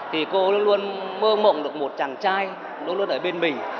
thì cô luôn luôn mơ mộng được một chàng trai luôn luôn ở bên mình